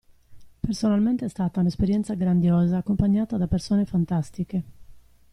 Personalmente è stata una esperienza grandiosa accompagnata da persone fantastiche.